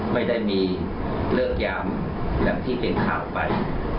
ไม่ได้มีเลิกยามอย่างที่เป็นข่าวไป